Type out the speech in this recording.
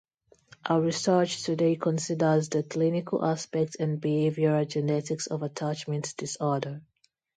Her research today considers the clinical aspects and behavioural genetics of attachment disorder.